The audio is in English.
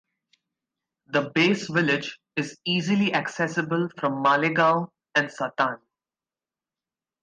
The base village is easily accessible from Malegaon and Satana.